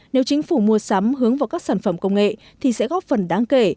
nếu chính phủ mua sắm hướng vào các sản phẩm công nghệ thì sẽ góp phần đáng kể